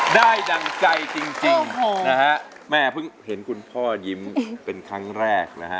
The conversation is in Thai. ดังใจจริงนะฮะแม่เพิ่งเห็นคุณพ่อยิ้มเป็นครั้งแรกนะฮะ